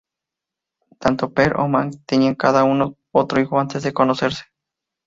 Tanto Per como Maj tenían cada uno otro hijo antes de conocerse.